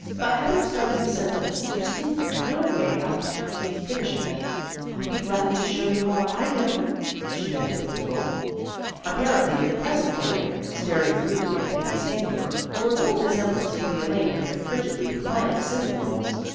But having started the sentence there seemed no way out of finishing it. " I'll be glad to show you all I know," she ended with a gulp. Apparently the present Elaine, staring mood ily at Peggy's handiwork, bore little resemblance to the Elaine who had frigidly declined the cinnamon rolls.